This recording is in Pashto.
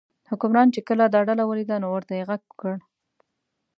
حکمران چې کله دا ډله ولیده نو ورته یې غږ وکړ.